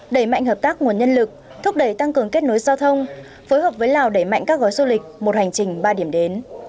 đẩy mạnh hợp tác nguồn nhân lực thúc đẩy tăng cường kết nối giao thông phối hợp với lào đẩy mạnh các gói du lịch một hành trình ba điểm đến